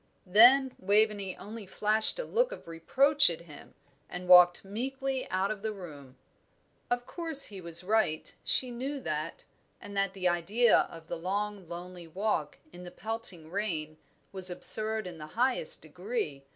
Then Waveney only flashed a look of reproach at him, and walked meekly out of the room. Of course he was right, she knew that, and that the idea of the long, lonely walk, in the pelting rain, was absurd in the highest degree.